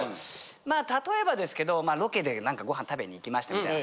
まあ例えばですけどロケで何かごはん食べに行きましたみたいな。